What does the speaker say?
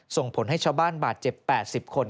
ส่งผลให้ชาวบ้านบาดเจ็บ๘๐คน